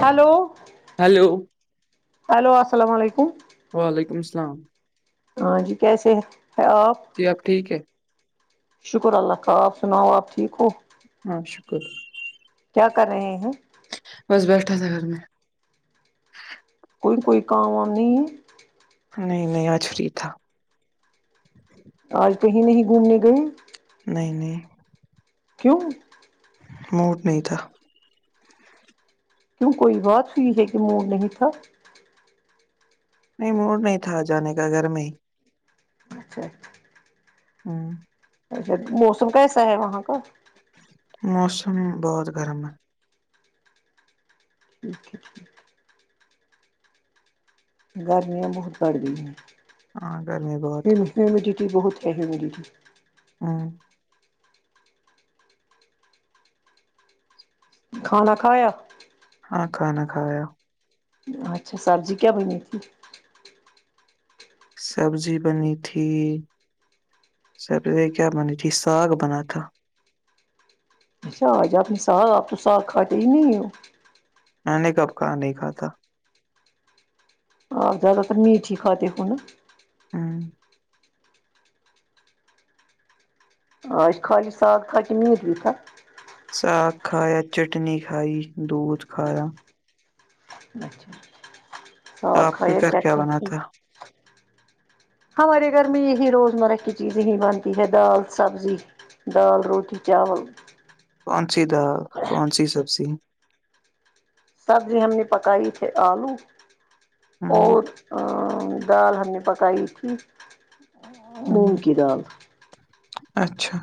hello hello hello السلام علیکم وعلیکم السلام ہاں جی کیسے ہے آپ جی آپ ٹھیک ہے شکر اللہ کا آپ سناؤ آپ ٹھیک ہو ہاں شکر کیا کر رہے ہیں بس بیٹھا تھا گھر میں کوئی کوئی کام وام نہیں نہیں نہیں آج فری تھا آج کہیں نہیں گھومنے گئے نہیں نہیں کیوں موڈ نہیں تھا کیوں کوئی بات ہوئی ہے کی موڈ نہیں تھا نہیں موڈ نہیں تھا جانے کا گھر میں ہی اچھا آمم اچھا موسم کیسا ہے وہاں کا موسم بہت گرم ہے ٹھیک ہے گرمیاں بہت بڑھ گئ ہیں ہاں گرمی بہت ہے ہییومڈیٹی بہت ہے ہیومڈیٹی آمم کھانا کھایا ہاں کھانا کھایا اچھا سبزی کیا بنیے تھی سبزی بنی تھی سر پے کیا بنی تھی ساگ بنا تھا اچھا آج آپ نے ساگ آپ تو ساگ کھاتے ہی نہیں ہو میں نے کب کہا نہیں کھاتا آپ زیادہ تر میٹ ہی کھاتے ہو نا آمم آج خالی ساگ تھاکے میٹ بھی تھا ساگ کھایا چٹنی کھائی دودھ کھایا اچھا ساگ آپ کے کھایا گھر کیا چٹنی بنا کھائی تھا ہمارے گھر میں یہی روزمرہ کی چیزیں ہی بنتی ہے دال سبزی دال روٹی چاول کون سی دال کون سی سبزی سبزی ہم نے پکائی تھے آلو ہاں اور دال ہم نے پکائی تھی ہاں مونگ کی دال اچھا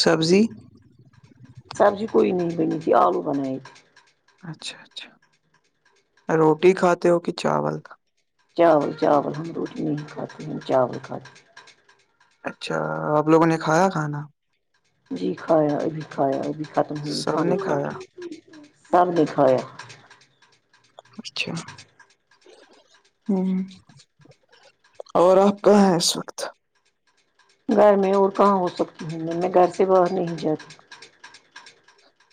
سبزی سبزی کوئی نہیں بنی تھی آلو بنائے اچھا اچھا روٹی کھاتے ہو کی چاول چاول چاول ہم روٹی نہیں کھاتے ہم ہم چاول کھاتے اچھا آپ لوگوں نے کھایا کھانا جی کھایا ابھی کھایا وہ بھی ختم ہوئی سب کھانا نے کھا کھایا کے سب نے کھایا اچھا ہمم اور آپ کہاں ہیں اس وقت گھر میں اور کہاں ہو سکتی ہے میں گھر سے باہر نہیں جاتا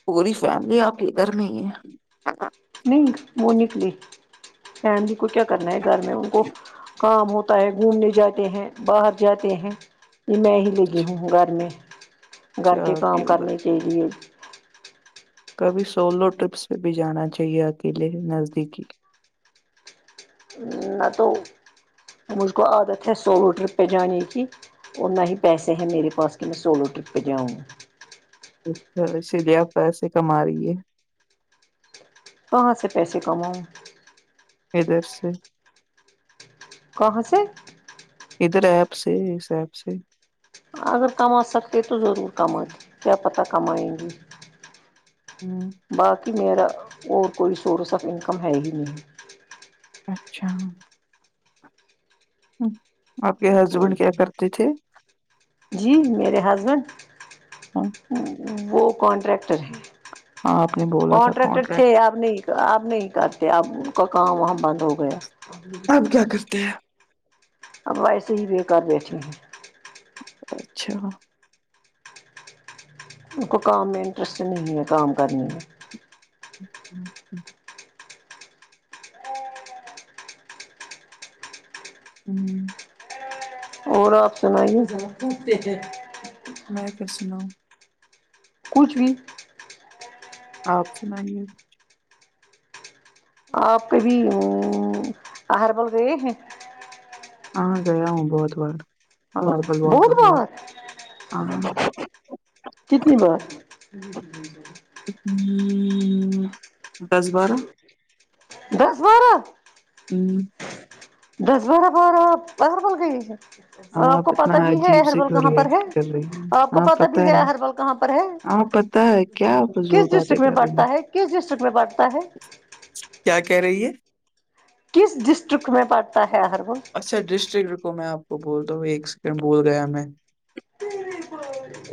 پوری فیملی آپ کے گھر میں ہی ہے نہیں وہ نکلی فیملی کو کیا کرنا ہے گھر میں ان کو کام ہوت تا ہے گھومنے جاتے ہیں باہر جاتے ہیں یے میں ہی لگی اچھا ہوں گھر میں گھر اچھا کے آپ ہی کام ہو گئے کرنی کیلیے کبھی سولو ٹرپس پے بھی جانا چاہیے اکیلے نزدیک ہی نہ تو مجھ کو عادت ہے سولو ٹرپ پے جانے کی اور نہ ہی پیسے ہیں میرے پاس کی میں سولو ٹرپ پے جاؤں اچھا اسی لیے آپ پیسے کما رہی ہے کہاں سے پیسے کماؤں ادھر سے کہاں سے ادھر ایپ سے اس ایپ سے اگر کما سکتے تو ضرور کماتی کیا پتہ کمائیں گے ہمم باقی میرا اور کوئی سورس آف انکم ہے ہی نہیں اچھا آپ کے ہسبینڈ کیا کرتے تھے جی میرے ہسبینڈ وہ کانٹریکٹر ہیں ہاں آپ نے بولا تھا کنٹریکٹر کانٹریکٹ تھے اب نہیں اب نہیں کرتے اب ان کا کام وہاں بند ہو گیا آپ کیا کرتے ہیں اب ویسے ہی بیکار بیٹھی ہے اچھا ان کو کام میں انٹرسٹ نہیں ہے کام کرنے میں [unintelligible] آمم اور آپ سنائیے میں کیا سناؤں کچھ بھی آپ سنائیے آپ کبھی آمم ہربل گئے ہیں ہاں گیا ہوں بہت بار بہت بار [unintelligible] کتنی بار ہممم دس بارہ دس بارہ آمم دس بارہ بار آپ ہربل گئی ہیں آپ کو پتا اتنا بھی ہے عجیب سے ہربل کیوں کہاں پر ہے ریئیکٹ کر رہی ہیں آپ کو ہاں پتا بھی پتہ ہے کہاں ہربل پر ہے ہاں پتہ ہے کیا کس فضول باتیں ڈسٹرکٹ میں کر رہی پڑھتا ہیں ہے کس ڈسٹرکٹ میں پڑھتا ہے کیا کہہ رہی ہے کس ڈسٹرکٹ میں پڑتا ہے ہربل اچھا ڈسٹرکٹ رکو میں آپ کو بولتا ہوں ایک سیکنڈ بھول گیا میں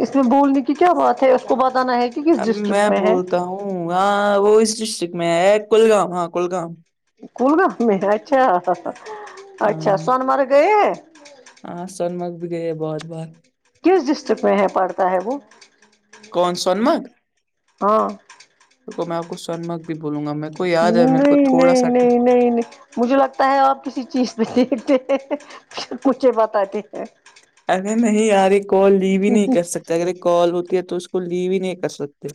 اس میں بھولنے کی کیا بات ہے اس کو بتانا ہے کی کس ڈسٹرکٹ میں ہے اوہا وہ اس ڈسٹرکٹ میں ہے کولگام ہاں کولگام کولگام میں اچھا اچھا ہاں سونمرگ گئے ہاں سونمرگ بھی گئے ہیں بہت بار کس ڈسٹرکٹ میں ہے پڑھتا ہے وہ کون سونمرگ ہاں رکو میں آپ کو سونمرگ بھی بولوں گا میر کو یاد ہے میرے کو نہیں تھوڑا نہیں سا ٹا نہیں نہیں مجھے لگتا ہے آپ کسی چیز پے دیکھتے ہیں پھر مجھے بتاتے ہیں ارے نہیں یار یے کال لیوی نہیں کر سکتے اگر کال ہوتی ہے تو اس تو لیو ہی نہیں کر سکتے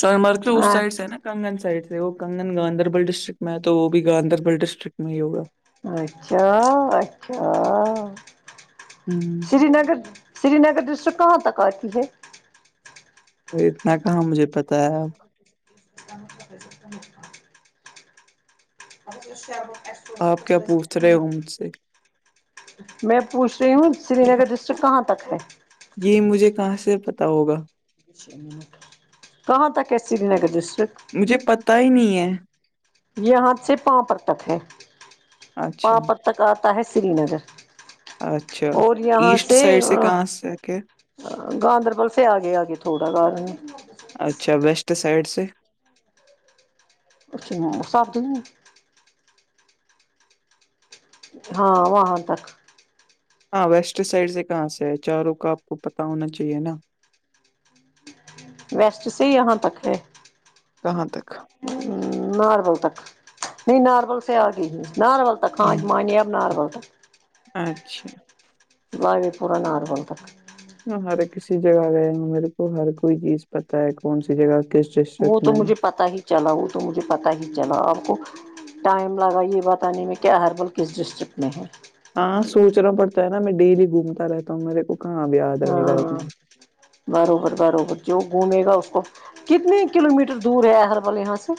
سونمرگ کے اس سائڈ سے نا کنگن سائڈ سے وہ کن گاندربل ڈسٹرکٹ میں ہے تو وہ بھی گاندربل ڈسٹرکٹ میں ہی ہوگا اچھا اچھا ہمم Srinagar Srinagar district کہاں کارتی سے اتنا کہاں مجھے پتا ہے اب آپ کیا پوچھ رہے ہو مجھ سے میں پوچھ رہی ہوں سری نگر ڈسٹرک کہاں تک ہے یے مجھے کہاں سے پتا ہوگا کہاں تک ہے سری نگر ڈسٹرکٹ مجھے پتا ہی نہیں ہے یے ہاتھ سے پاپر تک ہے اچھا پاپر تک تک آتا ہے سری نگر اچھا اور یہاں ایسٹ سے سائڈ کہاں سے ہے کہ گاندربل سے آ گے آگے تھوڑا گان اچھا ویسٹ سائڈ سے [unintelligible] ہاں وہاں تک ہاں ویسٹ سائڈ سے کہاں سے ہے چاروں کا آپ کو پتا ہونا چاہیے نا ویسٹ سے یہاں تک ہے کہاں تک ناربل تک نہیں ناربل سے آ گے ناربل [unintelligible] اب نارمل تک اچھا [unintelligible] پورا ناربل تک ہر کسی جگہ گیا نہیں میرے کو ہر کوئی چیز پتا ہے کون سی جگہ کس وہ ڈسٹرکٹ تو میں ہے مجھے پتا ہی چلا وہ تو مجھے پتا ہی چلا آپ کو ٹائم لگا یے بتانے میں کہ ہربل کس ڈسٹرک میں ہے ہاں سوچنا پڑتا ہے نا میں ڈیلی گھومتا رہتا ہوں میرے کو کہاں اب یاد رہے گا اتنا ہاں بروبر بروبر جو گھومے گا اس کو کتنے کلو میٹر دور ہے ہربل یہاں سے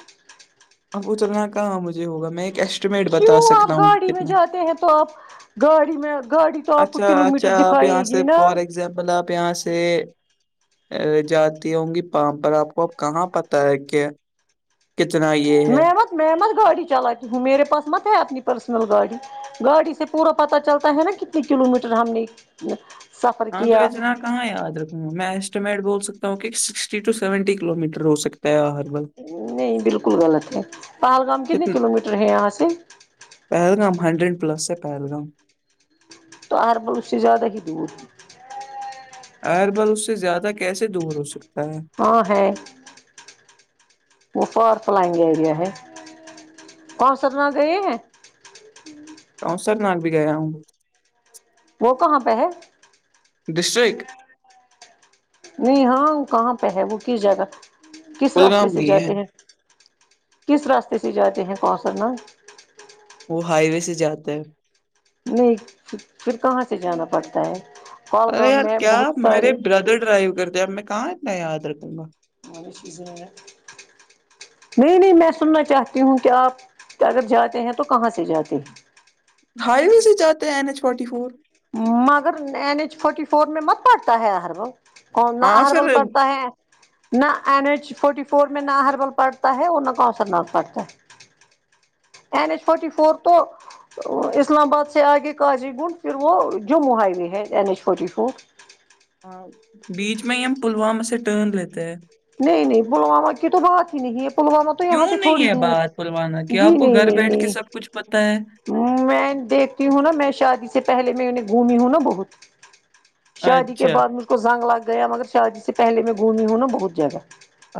اب وہ چلنا کہاں مجھے ہوگا میں ایک ایٹیمیٹ بت کیوں تا سکتا آپ ہوں گاڑی میں کتنے جاتے ہیں تو آپ گاڑی میں گاڑی تو آپ کو اچھا کلو میٹر اچھا آپ دکھائے یہاں گی سے نا فار ایک [unintelligible] آپ یہاں سے جاتی ہوں گی پام پر آپ کوب کہاں پت ہے کہ کتنا ہی مے مت مے مت گاڑی چلاتی ہوں میرے پاس مت ہے اپنی پرسنل گاڑی گاڑی سے پورا پتا چلتا ہے نا کتنے کلو میٹر ہم نے سفر ہاں تو کیا اتنا کہاں یاد رکھوں گا میں اسٹیٹ بول سکتا ہوں کہ sixty two seventy kilometre ہو سکتا ہے نہیں بالکل غلط ہے پہلگام کنے کتنا کلو میٹر ہے یہا سے پہلگام ہنڈریڈ پلس ہے پہلگام تو اربل اس سے زیادہ ہی دور ہربل اس سے زیادہ کیسے دور ہو سکتا ہے ہاں ہے وہ فار پلان ایریا ہے کونسرناگ گئے ہیں کوسر ناگ بھی گیا ہوں وہ کہاں پے ہے ڈسٹرک میں یہاں ہو کہاں پے ہے وہ کس جگہ کس راستے کلگام سے میں ہی ہے جاتے ہیں کس راستے سے جاتے ہیں کوسر ناگ وہ ہائی وے سے جاتے ہے نہیں پھر کہاں سے جانا پڑتا ہے ارے کولگام یار میں کیا بہت میرے ساری برادر ڈرائیو کرتے اب میں کہاں اتنا یاد رکھوں گا [unintelligible] نہیں نہیں میں سننا چاہتی ہوں کہ آپ اگر جاتے ہیں تو کہاں سے جاتے ہیں ہائی وے سے چاتے ہیں این ایچ فورٹی فور مگر این ایچ فورٹی فور میں مت پڑتا ہے ہربل کون ہاں اہربل پھر پڑتا ہے نہ این ایچ فورٹی فور میں نہ اربل پڑتا ہے اور نہ کوسر ناگ پڑتا ہے این ایچ فوٹی فور تو اسلام آباد سے آگے قاجی گنڈ پھر وہ جموں ہائی وے ہے این ایش فورٹی فور ہاں بیچ میں ہی ہم پلوام سے ٹرن لیتے ہیں نہیں نہیں پلوامہ کی تو بات ہی نہیں ہے پلوامہ تو یہاں کیوں سے تھوڑی نہیں ہے دور بات پلوامہ کی جی آپ کو نہیں گھر نہیں بیٹھ کے نہیں سب کچھ پتا ہے میں دیکھتی ہوں نا میں شادی سے پہلے میں انہیں گھمی ہوں نا بہت شادی کے اچھا بعد مجھ کو زنگ لگ گیا مگر شادی سے پہلے میں گھمی ہوں نا بہت جگہ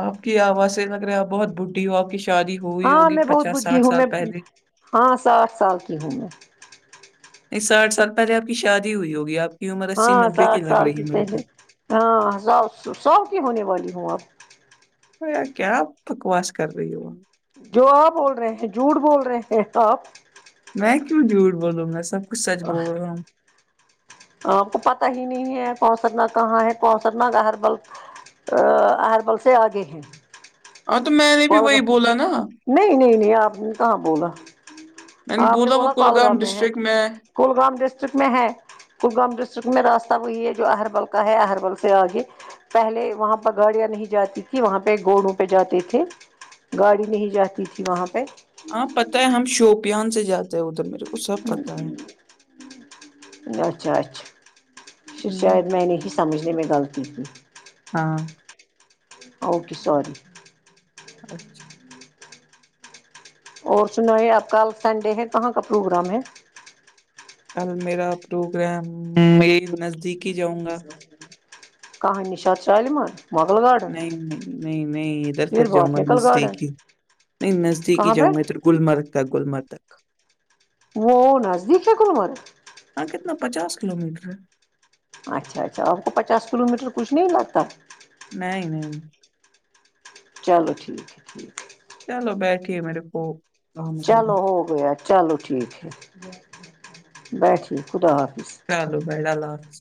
آپ کی آواز سے لگ رہے آپ بہت بڈھی ہو آپ کی شادی ہوئی ہاں ہوگی میں بہت پچاس بڈھی ساٹھ ہوں سال میں پہلے ہاں ساٹھ سال کی ہوں میں نہیں ساٹھ ستر آپ کی شادی ہوئی ہوگی آپ کی عمر اسی ہاں نوے کی ساٹھ لگ سال رہی ہے میرے پہلے کو ہاں ساؤ ساؤ کی ہونے والی ہوں اب کیا بکواس کر رہی ہو جو آپ بول رہے ہیں جھوٹ بول رہے ہیں آپ میں کیوں جھوٹ بولوں میں سب کچھ سچ بول رہا ہوں تو پتا ہی نہیں ہے کوسر ناگ کہاں ہے کوسر ناگ کا ہربل آ ہربل سے آگے ہیں ہاں تو میں نے بھی وہی کولگام بولا نا نہیں نہیں نہیں آپ نے کہاں بولا آپ نے بولا کولگام میں ہے کلگام ڈسٹرک میں ہے کلگام ڈسٹرک میں راستہ وہی ہے جو ہربل کا ہے ہربل سے آگے پہلے وہاں پر گاڑیاں نہیں جاتی تھی وہاں پے گھڑوں پے جاتے تھے گاڑی نہیں جاتی تھی وہاں پے ہاں پتہ ہے ہم شوپیان سے جاتے ہیں ادھر میرے کو سب پتہ ہے اچھا اچھا پھر ہم، شاید میں نہیں سمجھنے میں غلطی کی ہاں اوکے سوری اچھا اور سنایے آپ کل سنڈے ہے کہاں کا پروگرام ہے کل میرا پروگرام میں نزدیک ہی جاؤں گا کہانی نشاد شالیمار [unintelligible] نہیں نہیں نہیں نہیں ادھر پھر تک جاؤں گا بوٹنیکل گارڈن نزدیک ہی نہیں نزدیک ہی کہاں پہ جاؤں گا ادھر گلمر تک گلمر تک وہ نزدیک ہے کولمر ہاں کتنا پچاس کلو میٹر ہے اچھا اچھا آپ کو پچاس کلو میٹر کچھ نہیں لگتا نہیں نہیں چلو ٹھیک ہے ٹھیک ہے چلو بیٹھیے میرے فو چلو ہو گیا چلو ٹھیک ہے بیٹھیے خدا حافظ چلو بائی اللہ حافظ